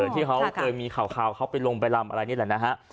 ที่เขาเคยมีข่าวเขาไปลงไปลำอะไรนี่แหละนะฮะ